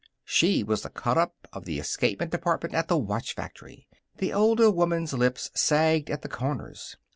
She was the cutup of the escapement department at the watch factory; the older woman's lips sagged at the corners.